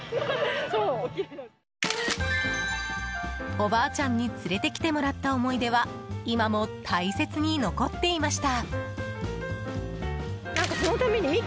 おばあちゃんに連れてきてもらった思い出は今も大切に残っていました。